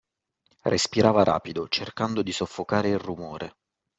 Respirava rapido, cercando di soffocare il rumore.